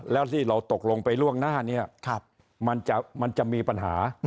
แล้วที่เราตกลงไปล่วงหน้าเนี่ยมันจะมีปัญหา